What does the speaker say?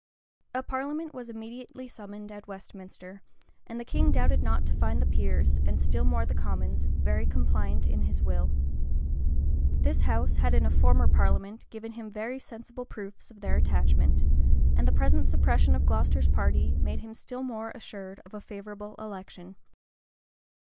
A parliament was immediately summoned at Westminster; and the king doubted not to find the peers, and still more the commons, very compliant with his will. This house had in a former parliament given him very sensible proofs of their attachment;[] and the present suppression of Glocester's party made him still more assured of a favorable election.